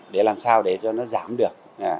để làm sao để cho nó giảm được